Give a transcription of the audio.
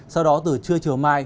sau đó từ trưa chiều mai